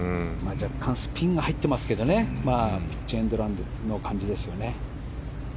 若干スピンが入ってますけどピッチエンドランの感じですね。